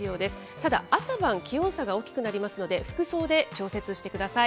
ただ、朝晩、気温差が大きくなりますので、服装で調節してください。